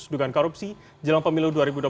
dugaan korupsi jelang pemilu dua ribu dua puluh empat